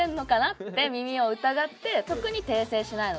って耳を疑って特に訂正しないのかなっていう。